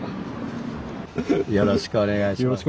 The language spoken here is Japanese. よろしくお願いします。